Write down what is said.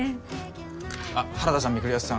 あっ原田さん御厨さん